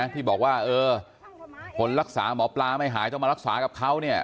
ที่บอกว่าคนรักษาหมอปลาไม่หายต้องมารักษากับเขาเนี่ย